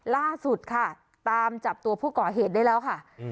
ล่าสุดค่ะตามจับตัวผู้ก่อเหตุได้แล้วค่ะ